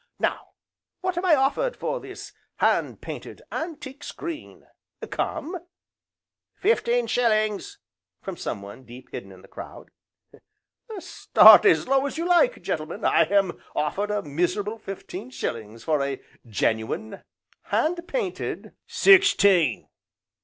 Now what am I offered for this hand painted, antique screen, come?" "Fifteen shillings!" from someone deep hidden in the crowd. "Start as low as you like, gentlemen! I am offered a miserable fifteen shillings for a genuine, hand painted " "Sixteen!"